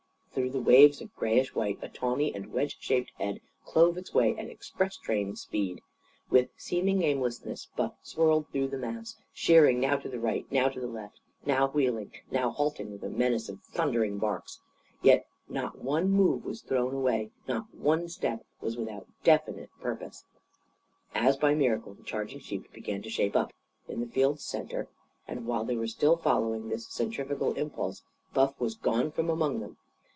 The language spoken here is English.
Through the waves of greyish white a tawny and wedge shaped head clove its way at express train speed. With seeming aimlessness, Buff swirled through the mass, sheering now to right, now to left, now wheeling, now halting with a menace of thundered barks. Yet not one move was thrown away, not one step was without definite purpose. As by miracle, the charging sheep began to shape up, in the field's centre; and while they were still following this centrifugal impulse, Buff was gone from among them.